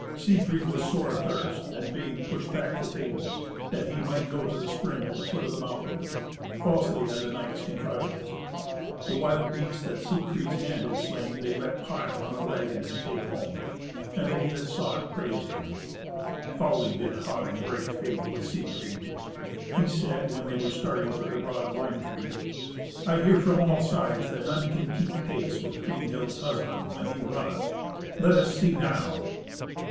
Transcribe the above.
Siegfried was sore athirst and bade push back the table, that he might go to the spring at the foot of the mountain. Falsely had the knights contrived it. The wild beasts that Siegfried's hand had slain they let pile on a waggon and take home, and they that saw it praised him. Foully did Hagen break faith with Siegfried. He said, when they were starting for the broad lime tree, "I hear from all sides that none can keep pace with Kriemhild's husband when he runneth. Let us see now."